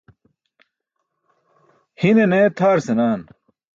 Hine ne tʰaar senaan.